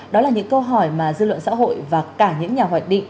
đó là những câu hỏi mà dư luận xã hội và cả những nhà hoạch định